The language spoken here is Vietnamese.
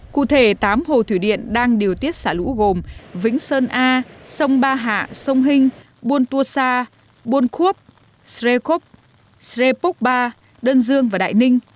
cụ thể tám hồ thủy điện đang điều tiết xả lũ gồm vĩnh sơn a sông ba hạ sông hinh buôn tua sa buôn khuốc sreikop sreipok ba đơn dương và đại ninh